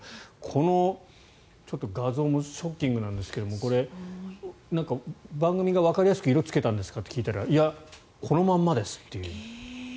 この画像もショッキングなんですけどこれ、なんか番組がわかりやすく色をつけたんですか？と聞いたらいや、このままですという。